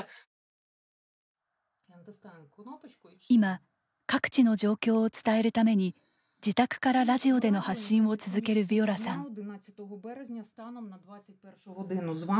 今、各地の状況を伝えるために自宅から、ラジオでの発信を続けるヴィオラさん。